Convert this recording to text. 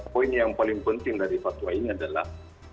poin yang paling penting dari fatwa ini adalah